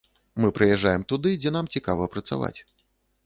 Мы прыязджаем туды, дзе нам цікава працаваць.